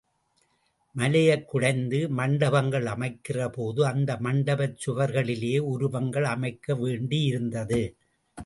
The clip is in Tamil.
மலையைக் குடைந்து மண்டபங்கள் அமைக்கிறபோது அந்த மண்டபச் சுவர்களிலேயே உருவங்கள் அமைக்க வேண்டியிருந்தது.